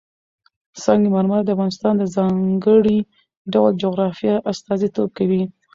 سنگ مرمر د افغانستان د ځانګړي ډول جغرافیه استازیتوب کوي.